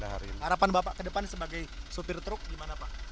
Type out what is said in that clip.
harapan bapak ke depan sebagai supir truk gimana pak